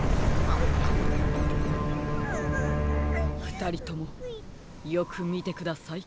ふたりともよくみてください。